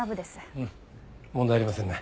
うん問題ありませんね。